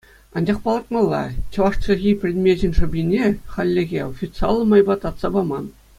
Анчах палӑртмалла: чӑваш чӗлхи предмечӗн шӑпине хальлӗхе официаллӑ майпа татса паман.